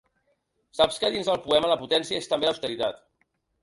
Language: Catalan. Saps que dins del poema la potència és també l’austeritat.